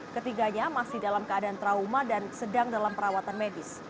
ketiganya masih dalam keadaan trauma dan sedang dalam perawatan medis